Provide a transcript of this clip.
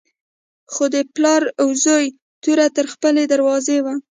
خو د پلار و زوی توره تر خپلې دروازې وه.